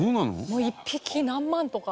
もう１匹何万とか。